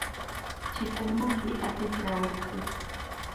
چې تر موږ یې اغېز راورسېد.